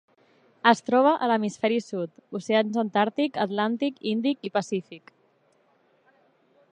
Es troba a l'hemisferi sud: oceans Antàrtic, Atlàntic, Índic i Pacífic.